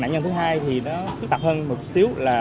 nạn nhân thứ hai